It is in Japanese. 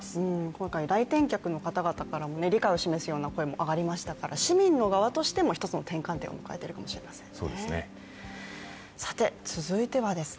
今回、来店客の方々からも理解を示すような声もありましたから市民の側としても一つの転換点を迎えているのかもしれませんね。